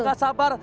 jangan lupa sabar